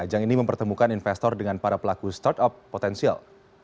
ajang ini mempertemukan investor dengan para pelaku startup potensial